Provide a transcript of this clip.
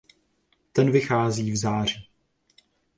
Ten vychází v září.